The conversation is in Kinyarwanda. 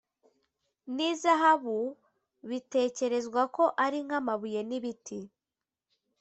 n izahabu bitekerezwa ko ari nk amabuye n ibiti